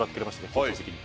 放送席に。